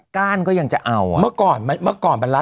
ต้องบอกงี้นะคะว่า